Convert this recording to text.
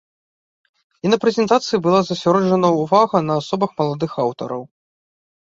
І на прэзентацыі была засяроджана ўвага на асобах маладых аўтараў.